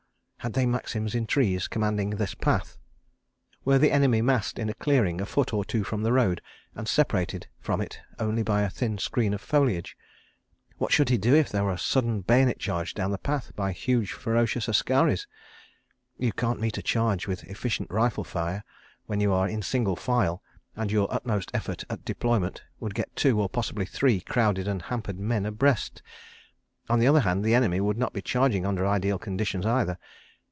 ... Had they Maxims in trees, commanding this path? ... Were the enemy massed in a clearing a foot or two from the road, and separated from it only by a thin screen of foliage? .... What should he do if there were a sudden bayonet charge down the path, by huge ferocious askaris? ... You can't meet a charge with efficient rifle fire when you are in single file and your utmost effort at deployment would get two, or possibly three crowded and hampered men abreast. ... On the other hand, the enemy would not be charging under ideal conditions either.